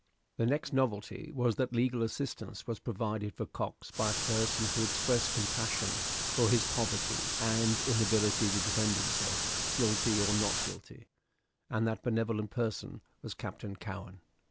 The next novelty was that legal assistance was provided for Cox by a person who expressed compassion for his poverty and inability to defend himself, guilty or not guilty; and that benevolent person was Captain Cowen.